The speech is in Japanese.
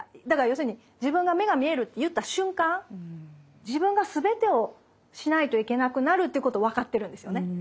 だから要するに自分が目が見えるって言った瞬間自分が全てをしないといけなくなるということ分かってるんですよね。